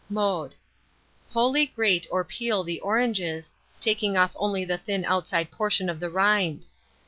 Mode. Wholly grate or peel the oranges, taking off only the thin outside portion of the rind.